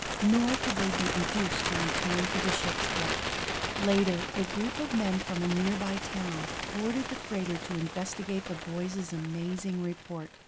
Nor could they be induced to return to the ship's deck. Later, a group of men from a nearby town boarded the freighter to investigate the boys' amazing report.